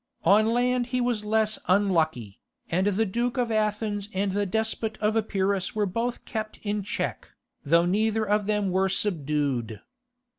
On land he was less unlucky, and the Duke of Athens and the despot of Epirus were both kept in check, though neither of them were subdued.